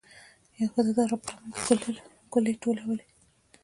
یوه ښځه د غره په لمن کې ګلې ټولولې.